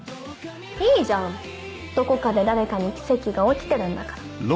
いいじゃんどこかで誰かに奇跡が起きてるんだから。